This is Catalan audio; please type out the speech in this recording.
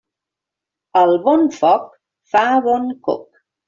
El bon foc fa bon coc.